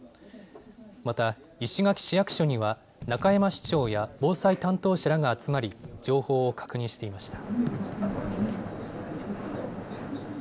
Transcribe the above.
また石垣市役所には中山市長や防災担当者らが集まり情報を確認していました。